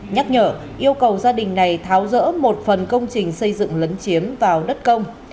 nhắc nhở yêu cầu gia đình này tháo rỡ một phần công trình xây dựng lấn chiếm vào đất công